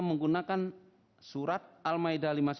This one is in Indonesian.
menggunakan surat al maidah